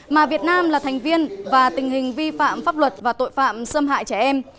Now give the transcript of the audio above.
mà việt nam là thành viên và tình hình vi phạm pháp luật và tội phạm xâm hại trẻ em